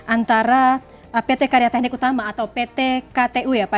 antara pt karya teknik utama atau pt ktu ya pak